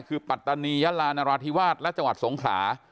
คือปัตตานียาลานราธิวาสและจังหวัดสงขลา